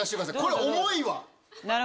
これ重いわ。